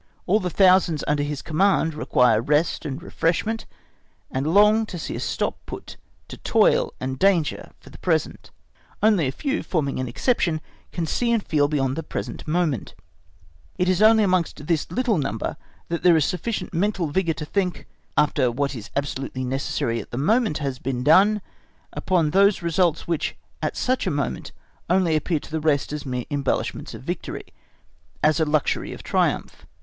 All the thousands under his command require rest and refreshment, and long to see a stop put to toil and danger for the present; only a few, forming an exception, can see and feel beyond the present moment, it is only amongst this little number that there is sufficient mental vigour to think, after what is absolutely necessary at the moment has been done, upon those results which at such a moment only appear to the rest as mere embellishments of victory—as a luxury of triumph.